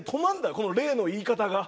この例の言い方が。